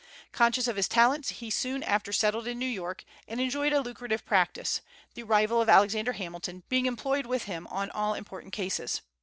Conscious of his talents, he soon after settled in New York, and enjoyed a lucrative practice, the rival of Alexander Hamilton, being employed with him on all important cases.